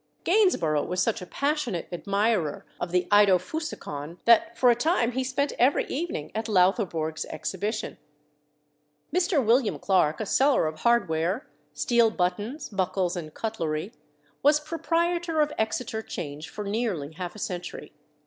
Gainsborough was such a passionate admirer of the Eidophusikon that for a time he spent every evening at Loutherbourg's exhibition. Mr. William Clarke, a seller of hardware (steel buttons, buckles, and cutlery), was proprietor of Exeter Change for nearly half a century.